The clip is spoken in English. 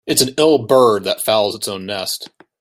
It's an ill bird that fouls its own nest.